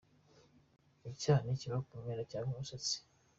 Icyaha ntikiba mu myenda cyangwa mu misatsi’.